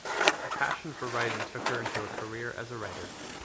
Her passion for writing took her into a career as a writer.